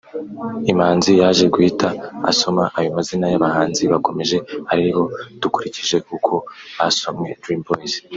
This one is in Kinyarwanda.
Imanzi yaje guhita asoma ayo mazina y’abahanzi bakomeje ari bo-dukurikije uko basomwe-Dream Boyz